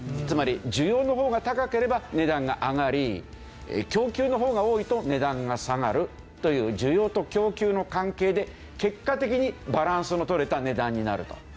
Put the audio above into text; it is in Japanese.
つまり需要の方が高ければ値段が上がり供給の方が多いと値段が下がるという需要と供給の関係で結果的にバランスの取れた値段になると。